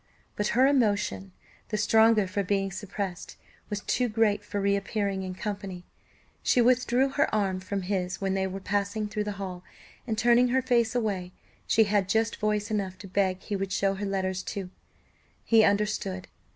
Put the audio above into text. But her emotion, the stronger for being suppressed, was too great for re appearing in company: she withdrew her arm from his when they were passing through the hall, and turning her face away, she had just voice enough to beg he would show her letters to He understood.